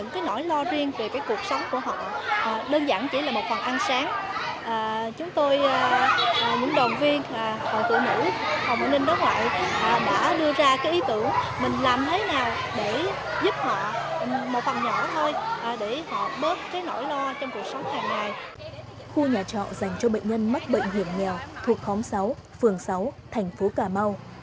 khu nhà trọ dành cho bệnh nhân mắc bệnh hiểm nghèo thuộc khóm sáu phường sáu thành phố cà mau